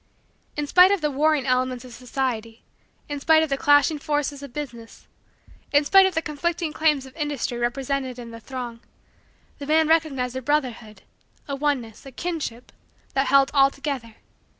In spite of the warring elements of society; in spite of the clashing forces of business; in spite of the conflicting claims of industry represented in the throng; the man recognized a brotherhood, a oneness, a kinship, that held all together.